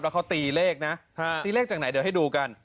แล้วเขาตีเลขนะตีเลขจากไหนเดี๋ยวให้ดูกัน